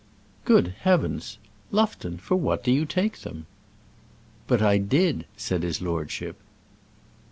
Good heavens! Lufton, for what do you take them?" "But I did," said his lordship.